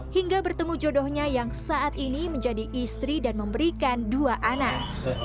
hingga bertemu jodohnya yang saat ini menjadi istri dan memberikan dua anak